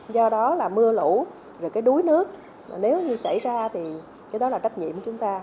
do đó là mưa lũ rồi cái đuối nước nếu như xảy ra thì cái đó là trách nhiệm của chúng ta